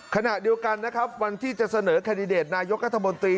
ขณะเดียวกันมันที่จะเสนอแคดดิเดตนายกรรธบนตรี